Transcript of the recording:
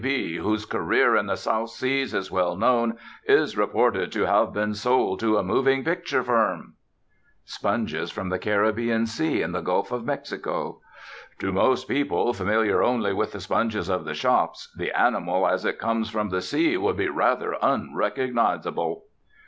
_, whose career in the South Seas is well known, is reported to have been sold to a moving picture firm." Sponges from the Caribbean Sea and the Gulf of Mexico. "To most people, familiar only with the sponges of the shops, the animal as it comes from the sea would be rather unrecognizable."